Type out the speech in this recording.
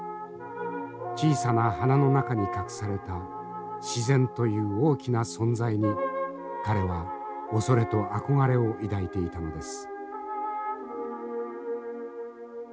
「小さな花の中に隠された自然という大きな存在に彼は怖れと憧れを抱いていたのです」。